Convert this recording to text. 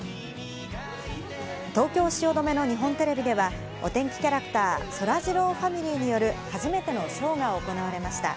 東京・汐留の日本テレビではお天気キャラクター・そらジローファミリーによる、初めてのショーが行われました。